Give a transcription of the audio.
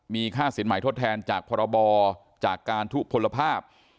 มีค่าศิลป์ไหมทดแทนจากพรบจากการถูกผลภาพ